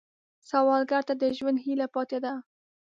سوالګر ته د ژوند هیله پاتې ده